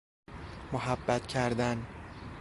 محبت کردن